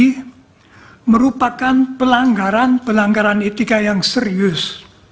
ini merupakan pelanggaran pelanggaran etika yang serius